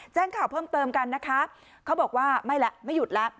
แจ้งข่าวเพิ่มเติมกันนะคะเขาบอกว่าไม่แล้วไม่หยุดแล้ว